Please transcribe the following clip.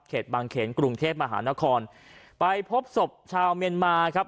บางเขนกรุงเทพมหานครไปพบศพชาวเมียนมาครับ